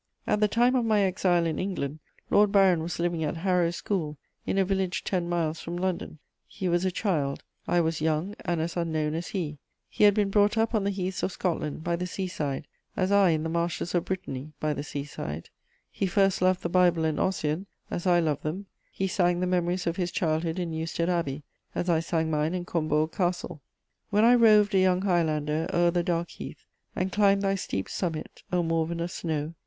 At the time of my exile in England, Lord Byron was living at Harrow School, in a village ten miles from London. He was a child, I was young and as unknown as he; he had been brought up on the heaths of Scotland, by the sea side, as I in the marshes of Brittany, by the sea side; he first loved the Bible and Ossian, as I loved them; he sang the memories of his childhood in Newstead Abbey, as I sang mine in Combourg Castle: When I roved a young Highlander o'er the dark heath. And climb'd thy steep summit, O Morven of snow!